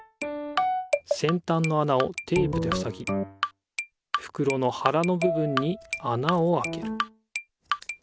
せんたんのあなをテープでふさぎふくろのはらのぶぶんにあなをあける